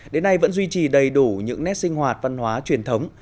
đến nay vẫn duy trì đầy đủ những nét sinh hoạt văn hóa truyền thống